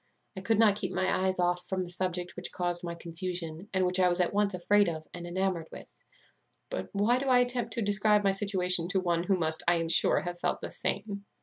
I could not keep my eyes off from the object which caused my confusion, and which I was at once afraid of and enamoured with. But why do I attempt to describe my situation to one who must, I am sure, have felt the same?"